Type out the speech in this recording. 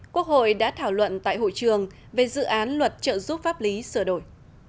quốc hội đã thảo luận tại hội trường về dự án luật trợ giúp pháp lý sửa đổi